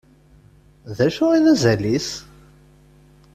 D acu i d azal-is?